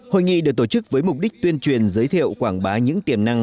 hội nghị được tổ chức với mục đích tuyên truyền giới thiệu quảng bá những tiềm năng